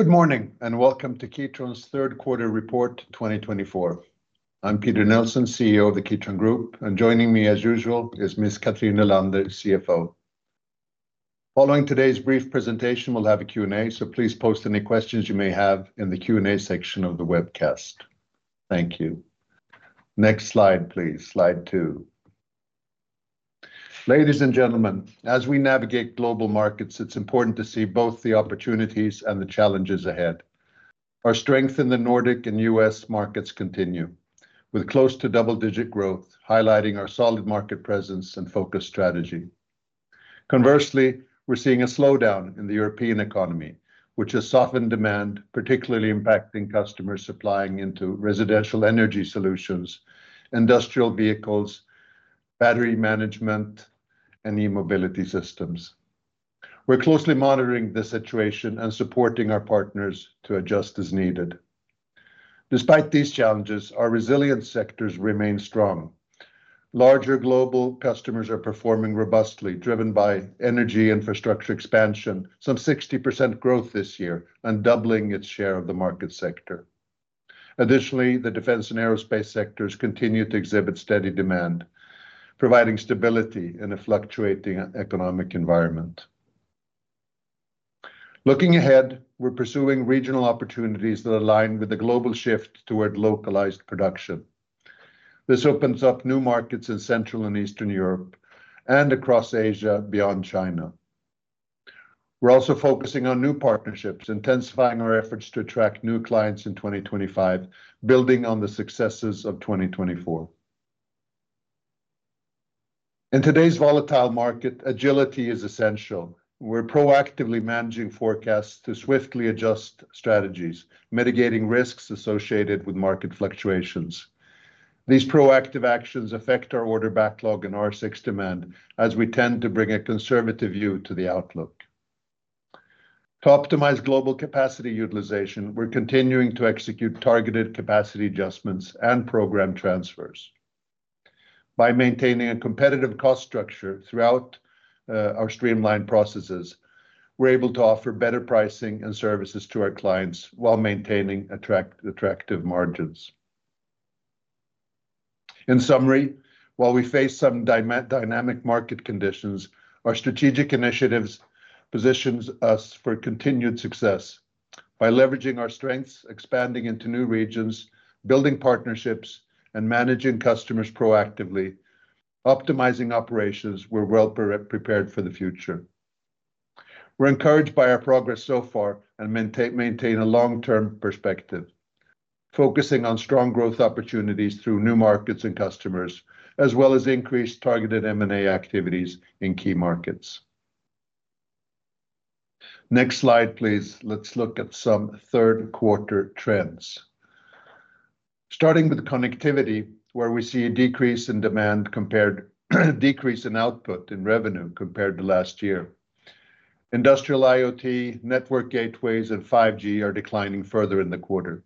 Good morning, and welcome to Kitron's third quarter report 2024. I'm Peter Nilsson, CEO of the Kitron Group, and joining me, as usual, is Miss Cathrin Nylander, CFO. Following today's brief presentation, we'll have a Q&A, so please post any questions you may have in the Q&A section of the webcast. Thank you. Next slide, please. Slide two. Ladies and gentlemen, as we navigate global markets, it's important to see both the opportunities and the challenges ahead. Our strength in the Nordic and U.S. markets continue, with close to double-digit growth, highlighting our solid market presence and focused strategy. Conversely, we're seeing a slowdown in the European economy, which has softened demand, particularly impacting customers supplying into residential energy solutions, industrial vehicles, battery management, and e-mobility systems. We're closely monitoring the situation and supporting our partners to adjust as needed. Despite these challenges, our resilient sectors remain strong. Larger global customers are performing robustly, driven by energy infrastructure expansion, some 60% growth this year, and doubling its share of the market sector. Additionally, the defense and aerospace sectors continue to exhibit steady demand, providing stability in a fluctuating economic environment. Looking ahead, we're pursuing regional opportunities that align with the global shift toward localized production. This opens up new markets in Central and Eastern Europe and across Asia, beyond China. We're also focusing on new partnerships, intensifying our efforts to attract new clients in 2025, building on the successes of 2024. In today's volatile market, agility is essential. We're proactively managing forecasts to swiftly adjust strategies, mitigating risks associated with market fluctuations. These proactive actions affect our order backlog and R6 demand, as we tend to bring a conservative view to the outlook. To optimize global capacity utilization, we're continuing to execute targeted capacity adjustments and program transfers. By maintaining a competitive cost structure throughout our streamlined processes, we're able to offer better pricing and services to our clients while maintaining attractive margins. In summary, while we face some dynamic market conditions, our strategic initiatives positions us for continued success. By leveraging our strengths, expanding into new regions, building partnerships, and managing customers proactively, optimizing operations, we're well prepared for the future. We're encouraged by our progress so far and maintain a long-term perspective, focusing on strong growth opportunities through new markets and customers, as well as increased targeted M&A activities in key markets. Next slide, please. Let's look at some third quarter trends. Starting with connectivity, where we see a decrease in demand compared, decrease in output and revenue compared to last year. Industrial IoT, network gateways, and 5G are declining further in the quarter.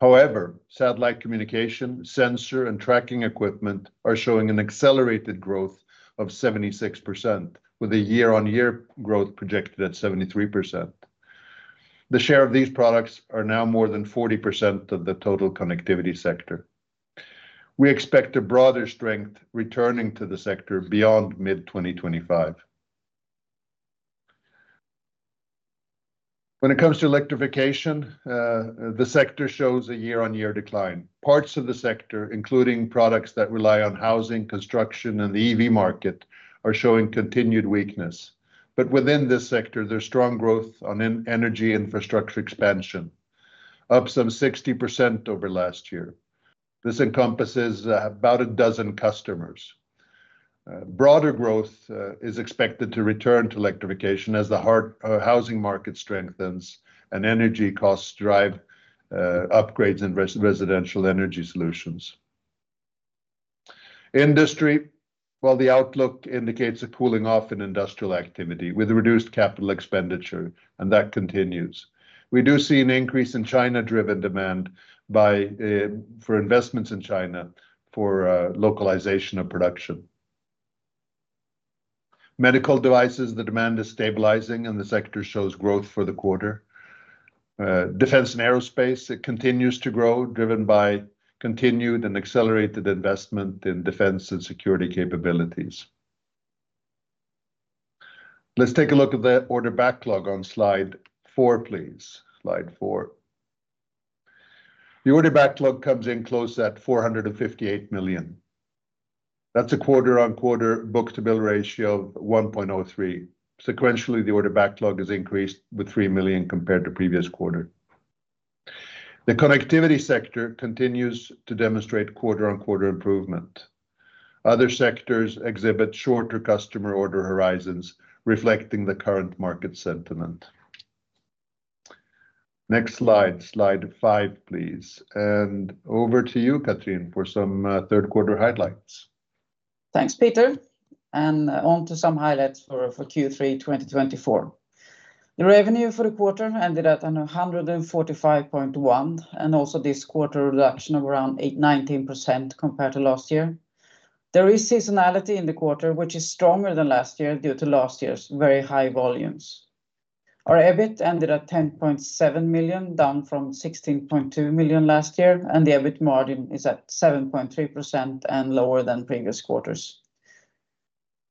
However, satellite communication, sensor, and tracking equipment are showing an accelerated growth of 76%, with a year-on-year growth projected at 73%. The share of these products are now more than 40% of the total connectivity sector. We expect a broader strength returning to the sector beyond mid-2025. When it comes to electrification, the sector shows a year-on-year decline. Parts of the sector, including products that rely on housing, construction, and the EV market, are showing continued weakness. But within this sector, there's strong growth on energy infrastructure expansion, up some 60% over last year. This encompasses about a dozen customers. Broader growth is expected to return to electrification as the housing market strengthens and energy costs drive upgrades in residential energy solutions. Industry, while the outlook indicates a cooling off in industrial activity, with reduced capital expenditure, and that continues, we do see an increase in China-driven demand for investments in China for localization of production. Medical devices, the demand is stabilizing, and the sector shows growth for the quarter. Defense and aerospace, it continues to grow, driven by continued and accelerated investment in defense and security capabilities. Let's take a look at the order backlog on slide four, please. Slide four. The order backlog comes in close at 458 million. That's a quarter-on-quarter book-to-bill ratio of 1.03. Sequentially, the order backlog has increased with 3 million compared to previous quarter. The connectivity sector continues to demonstrate quarter-on-quarter improvement. Other sectors exhibit shorter customer order horizons, reflecting the current market sentiment. Next slide, slide five, please. Over to you, Cathrin, for some third quarter highlights. Thanks, Peter, and on to some highlights for Q3 2024. The revenue for the quarter ended at 145.1, and also this quarter, a reduction of around [8.19%] compared to last year. There is seasonality in the quarter, which is stronger than last year due to last year's very high volumes. Our EBIT ended at 10.7 million, down from 16.2 million last year, and the EBIT margin is at 7.3% and lower than previous quarters.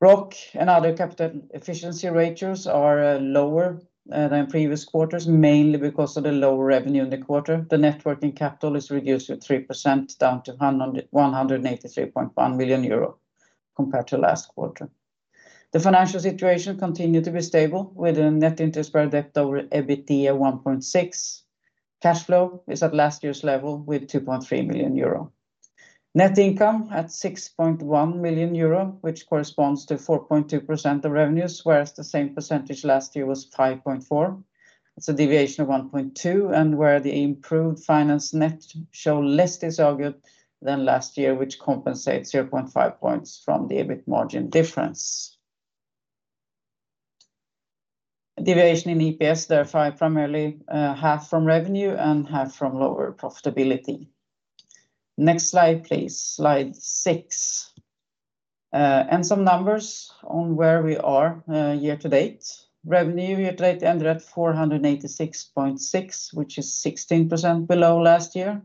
ROC and other capital efficiency ratios are lower than previous quarters, mainly because of the lower revenue in the quarter. The net working capital is reduced to 3%, down to 183.1 million euro compared to last quarter. The financial situation continued to be stable, with a net interest-bearing debt over EBIT at 1.6. Cash flow is at last year's level, with 2.3 million euro. Net income at 6.1 million euro, which corresponds to 4.2% of revenues, whereas the same percentage last year was 5.4%. It's a deviation of 1.2, and where the improved finance net shows less negative than last year, which compensates 0.5 points from the EBIT margin difference. Deviation in EPS, therefore, primarily half from revenue and half from lower profitability. Next slide, please. Slide six. And some numbers on where we are, year-to-date. Revenue year-to-date ended at 486.6, which is 16% below last year.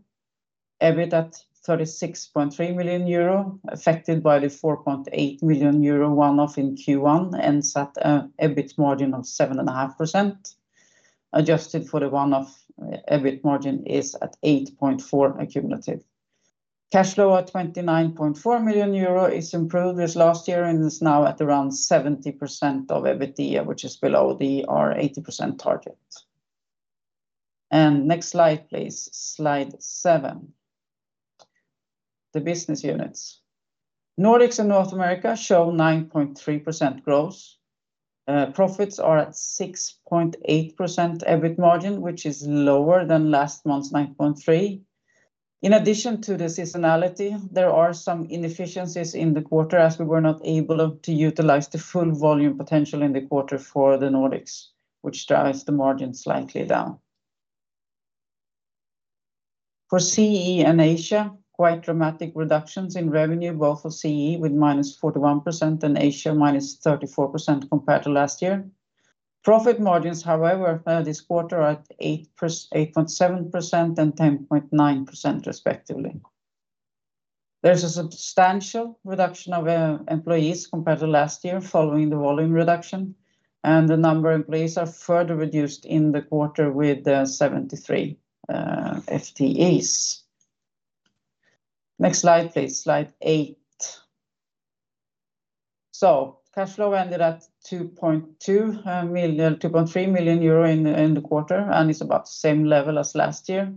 EBIT at 36.3 million euro, affected by the 4.8 million euro one-off in Q1 and sets an EBIT margin of 7.5%. Adjusted for the one-off, EBIT margin is at 8.4% accumulative. Cash flow at 29.4 million euro is improved this last year and is now at around 70% of EBIT, which is below our 80% target. Next slide, please. Slide seven The business units. Nordics and North America show 9.3% growth. Profits are at 6.8% EBIT margin, which is lower than last month's 9.3%. In addition to the seasonality, there are some inefficiencies in the quarter as we were not able to utilize the full volume potential in the quarter for the Nordics, which drives the margin slightly down. For [CEE] and Asia, quite dramatic reductions in revenue, both for [CEE with -41% and Asia -34% compared to last year. Profit margins, however, this quarter are at 8.7% and 10.9% respectively. There's a substantial reduction of employees compared to last year following the volume reduction, and the number of employees are further reduced in the quarter with 73 FTEs. Next slide, please. Slide eight. So cash flow ended at 2.3 million euro in the quarter, and it's about the same level as last year.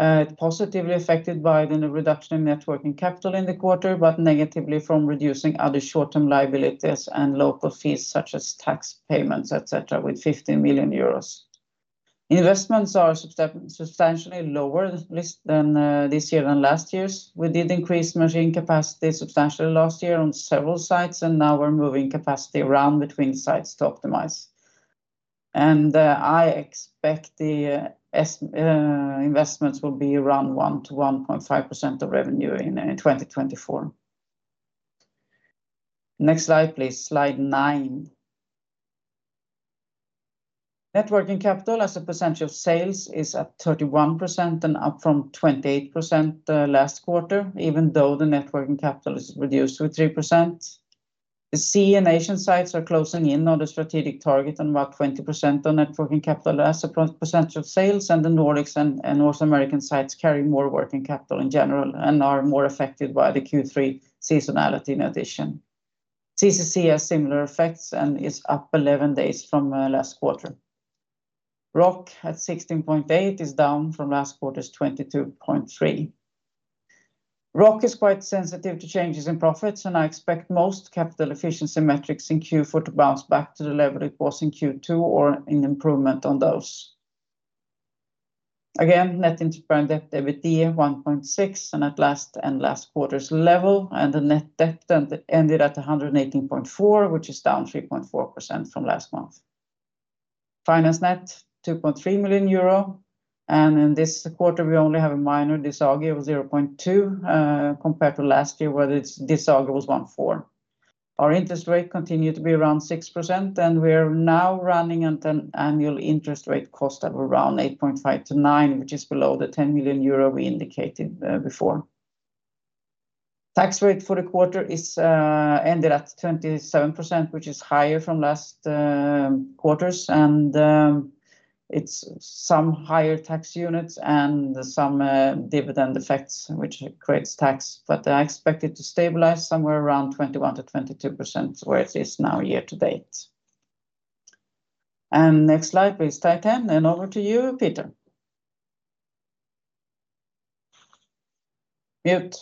It positively affected by the reduction in net working capital in the quarter, but negatively from reducing other short-term liabilities and local fees, such as tax payments, et cetera, with 50 million euros. Investments are substantially lower this year than last year's. We did increase machine capacity substantially last year on several sites, and now we're moving capacity around between sites to optimize, and I expect the investments will be around 1%-1.5% of revenue in 2024. Next slide, please. Slide nine. Net working capital as a percentage of sales is at 31% and up from 28%, last quarter, even though the net working capital is reduced to 3%. The CE and Asian sites are closing in on the strategic target on about 20% on net working capital as a percent of sales, and the Nordics and North American sites carry more working capital in general and are more affected by the Q3 seasonality in addition. CCC has similar effects and is up 11 days from last quarter. ROC at 16.8 is down from last quarter's 22.3. ROC is quite sensitive to changes in profits, and I expect most capital efficiency metrics in Q4 to bounce back to the level it was in Q2 or an improvement on those. Again, net interest bearing debt, EBITDA 1.6, and at last quarter's level, and the net debt ended at 118.4, which is down 3.4% from last month. Finance net, 2.3 million euro, and in this quarter, we only have a minor disagio of 0.2 compared to last year, where the disagio was 1.4. Our interest rate continued to be around 6%, and we are now running at an annual interest rate cost of around [8.5%-9%], which is below the 10 million euro we indicated before. Tax rate for the quarter is ended at 27%, which is higher from last quarters, and it's some higher tax units and some dividend effects, which creates tax. But I expect it to stabilize somewhere around 21%-22%, where it is now year-to-date. Next slide, please, [slide 10], and over to you, Peter. Mute.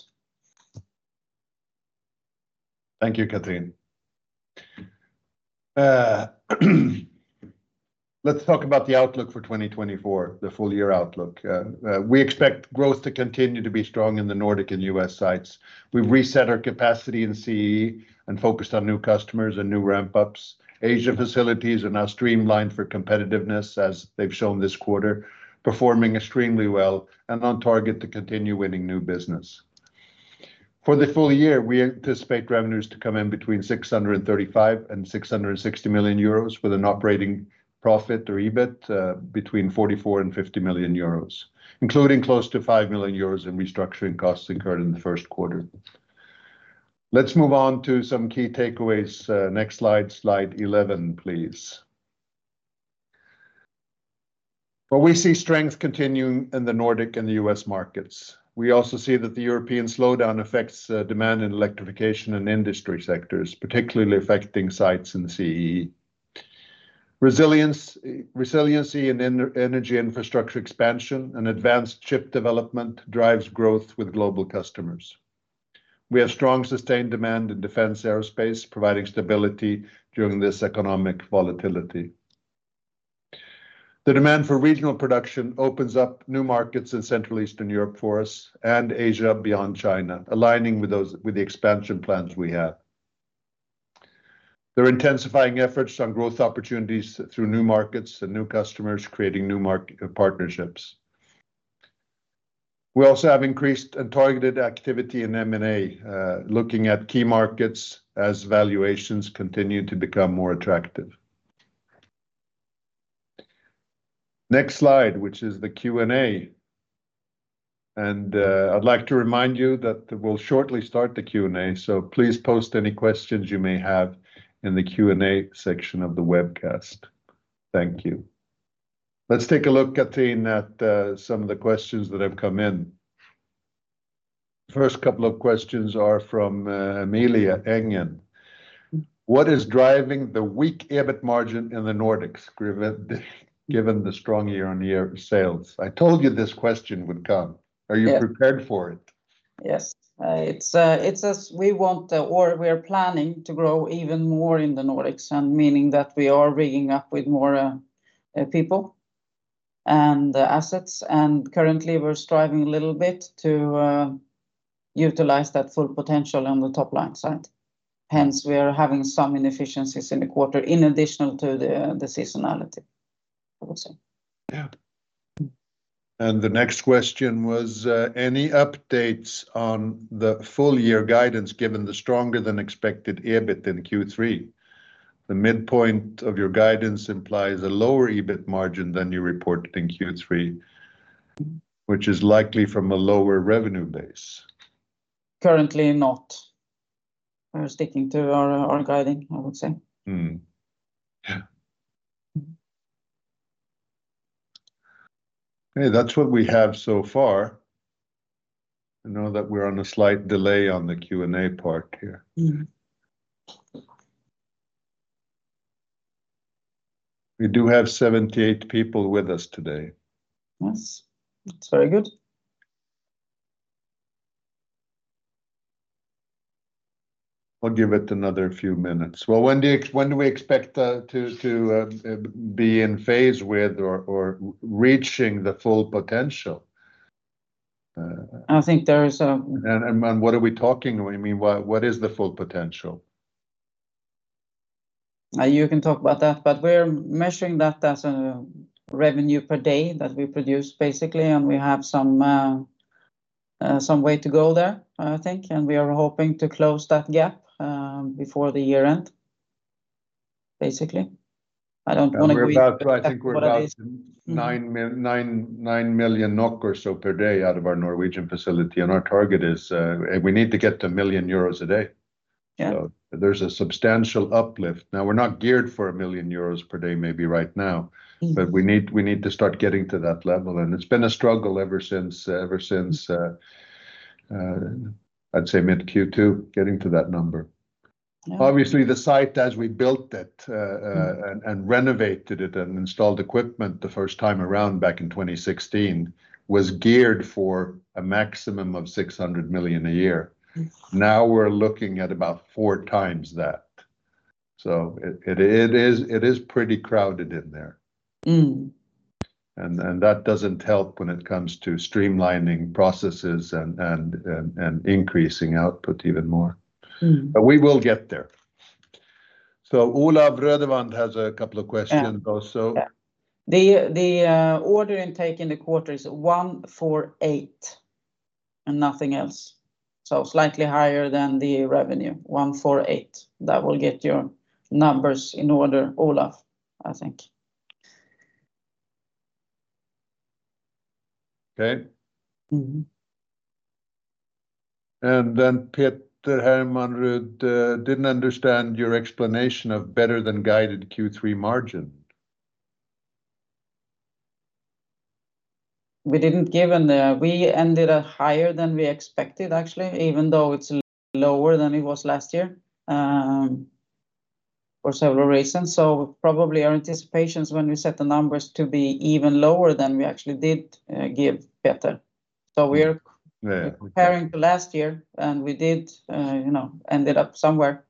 Thank you, Cathrin. Let's talk about the outlook for 2024, the full year outlook. We expect growth to continue to be strong in the Nordic and U.S. sites. We've reset our capacity in CE and focused on new customers and new ramp-ups. Asia facilities are now streamlined for competitiveness, as they've shown this quarter, performing extremely well and on target to continue winning new business. For the full year, we anticipate revenues to come in between 635 million and 660 million euros, with an operating profit or EBIT between 44 million and 50 million euros, including close to 5 million euros in restructuring costs incurred in the first quarter. Let's move on to some key takeaways. Next slide, slide 11, please. We see strength continuing in the Nordic and the U.S. markets. We also see that the European slowdown affects demand in electrification and industry sectors, particularly affecting sites in the CEE. Resilience, resiliency and energy infrastructure expansion, and advanced chip development drives growth with global customers. We have strong, sustained demand in defense aerospace, providing stability during this economic volatility. The demand for regional production opens up new markets in Central and Eastern Europe for us, and Asia beyond China, aligning with those, with the expansion plans we have. They're intensifying efforts on growth opportunities through new markets and new customers, creating new market partnerships. We also have increased and targeted activity in M&A, looking at key markets as valuations continue to become more attractive. Next slide, which is the Q&A, and I'd like to remind you that we'll shortly start the Q&A, so please post any questions you may have in the Q&A section of the webcast. Thank you. Let's take a look, Cathrin, at some of the questions that have come in. First couple of questions are from Amelia [Enegren]. "What is driving the weak EBIT margin in the Nordics, given the strong year-on-year sales?" I told you this question would come. Yeah. Are you prepared for it? Yes. It's as we want, or we're planning to grow even more in the Nordics, and meaning that we are rigging up with more people and assets, and currently, we're striving a little bit to utilize that full potential on the top-line side. Hence, we are having some inefficiencies in the quarter, in addition to the seasonality, I would say. Yeah. And the next question was, "Any updates on the full year guidance, given the stronger than expected EBIT in Q3? The midpoint of your guidance implies a lower EBIT margin than you reported in Q3, which is likely from a lower revenue base. Currently not. We're sticking to our guidance, I would say. Mm-hmm. Yeah. Okay, that's what we have so far. I know that we're on a slight delay on the Q&A part here. Mm-hmm. We do have 78 people with us today. Nice. That's very good. I'll give it another few minutes. Well, when do we expect to be in phase with or reaching the full potential? I think there is. What are we talking? I mean, what is the full potential? You can talk about that, but we're measuring that as a revenue per day that we produce, basically, and we have some way to go there, I think, and we are hoping to close that gap before the year end, basically. I don't want to agree- I think we're about. What that is? ...NOK 9 million or so per day out of our Norwegian facility, and our target is, and we need to get to 1 million euros a day. Yeah. So there's a substantial uplift. Now, we're not geared for 1 million euros per day, maybe right now- Mm... but we need, we need to start getting to that level, and it's been a struggle ever since I'd say mid-Q2, getting to that number. Yeah. Obviously, the site as we built it, Mm... and renovated it and installed equipment the first time around back in 2016, was geared for a maximum of 600 million a year. Mm. Now, we're looking at about 4x that. So it is pretty crowded in there. Mm. That doesn't help when it comes to streamlining processes and increasing output even more. Mm. But we will get there. So Olav Rødevand has a couple of questions also. Yeah. Yeah. The order intake in the quarter is 148, and nothing else. So slightly higher than the revenue, 148. That will get your numbers in order, Olav, I think. Okay. Mm-hmm. And then Peter Hermanrud didn't understand your explanation of better than guided Q3 margin. We didn't give an. We ended up higher than we expected, actually, even though it's lower than it was last year, for several reasons. So probably our anticipations when we set the numbers to be even lower than we actually did, give, Peter. So we are- Yeah... comparing to last year, and we did, you know, ended up somewhere,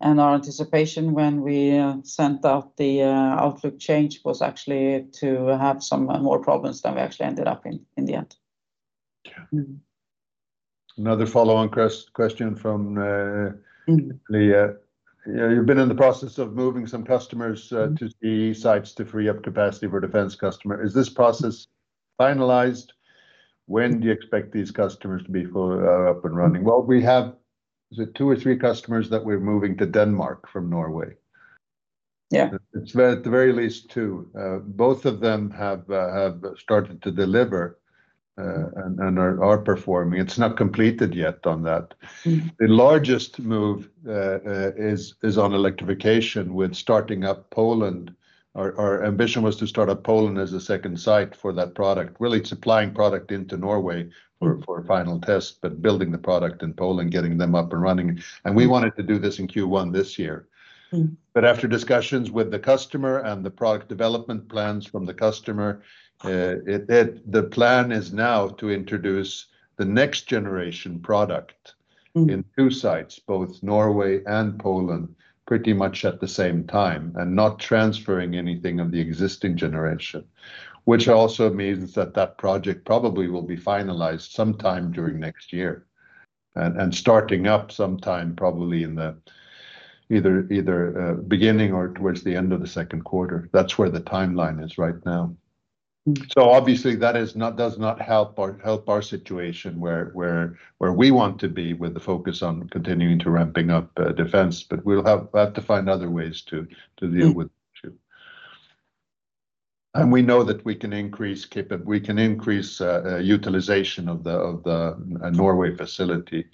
and our anticipation when we sent out the outlook change was actually to have some more problems than we actually ended up in the end. Yeah. Mm. Another follow-on question from, Mm... Leah. You know, you've been in the process of moving some customers, to the sites to free up capacity for defense customer. Is this process finalized? When do you expect these customers to be full, up and running? Well, we have, is it two or three customers that we're moving to Denmark from Norway? Yeah. It's at the very least two. Both of them have started to deliver, and are performing. It's not completed yet on that. Mm. The largest move is on electrification with starting up Poland. Our ambition was to start up Poland as a second site for that product. Really, it's supplying product into Norway- Mm for final test, but building the product in Poland, getting them up and running. Mm. We wanted to do this in Q1 this year. Mm. But after discussions with the customer and the product development plans from the customer, the plan is now to introduce the next generation product. Mm In two sites, both Norway and Poland, pretty much at the same time, and not transferring anything of the existing generation. Which also means that that project probably will be finalized sometime during next year, and starting up sometime probably in the early beginning or towards the end of the second quarter. That's where the timeline is right now. Mm. So obviously, that does not help our situation, where we want to be with the focus on continuing to ramping up defense, but we'll have to find other ways to deal with. Mm. And we know that we can increase utilization of the Norway facility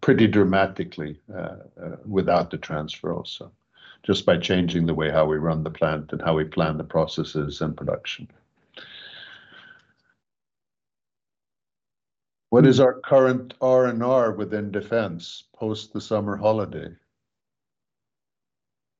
pretty dramatically without the transfer also, just by changing the way how we run the plant and how we plan the processes and production. What is our current R&R within defense post the summer holiday?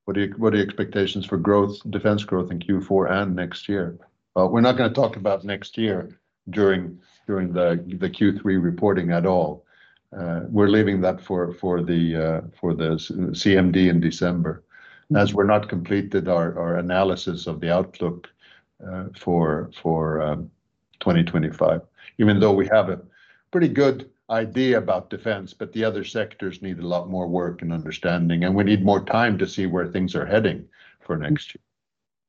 What are the expectations for growth, defense growth in Q4 and next year? We're not gonna talk about next year during the Q3 reporting at all. We're leaving that for the CMD in December. Mm. As we've not completed our analysis of the outlook for 2025. Even though we have a pretty good idea about defense, but the other sectors need a lot more work and understanding, and we need more time to see where things are heading for next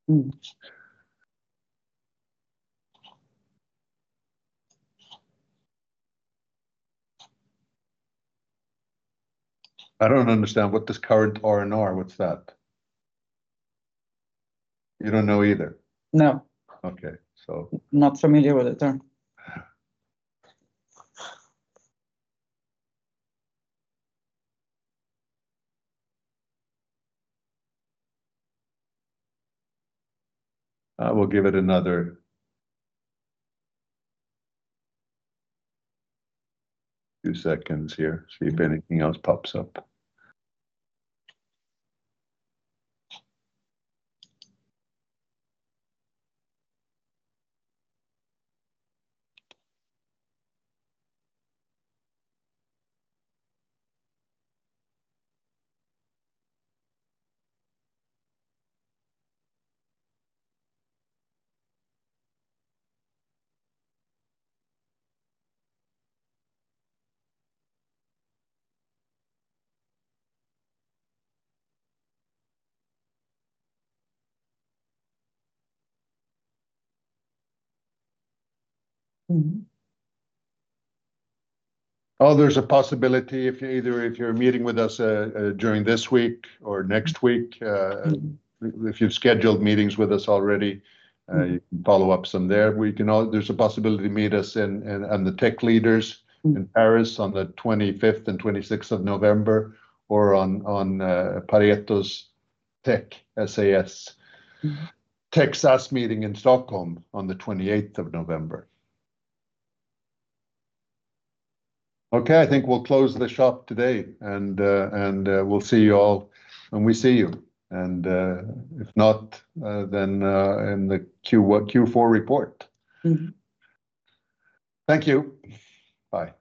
year. Mm. I don't understand. What does current R&R, what's that? You don't know either? No. Okay. So- Not familiar with the term. We'll give it another two seconds here, see if anything else pops up. Mm-hmm. Oh, there's a possibility if either of you are meeting with us during this week or next week. Mm... if you've scheduled meetings with us already, you can follow up some there. There's a possibility to meet us and the tech leaders- Mm - in Paris on the 25th and 26th of November, or on Pareto's Tech SaaS, Mm Tech SaaS meeting in Stockholm on the 28th of November. Okay, I think we'll close the shop today, and we'll see you all when we see you, and if not, then in the Q1, Q4 report. Mm-hmm. Thank you. Bye. Mm.